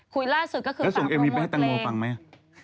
คุยล่าสุดก็คือตอบโปรโมทเพลงแล้วส่งเอ็มวีไปให้ตังโมฟังไหม